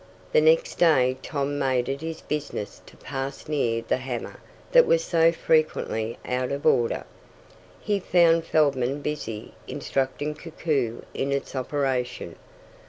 The next day Tom made it his business to pass near the hammer that was so frequently out of order. He found Feldman busy instructing Koku in its operation.